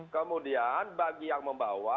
kemudian bagi yang membawa